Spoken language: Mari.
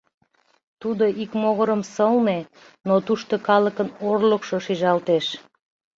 Тудо ик могырым сылне, но тушто калыкын орлыкшо шижалтеш.